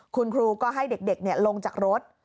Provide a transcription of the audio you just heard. คุณครูก็ให้เด็กลงจากรถ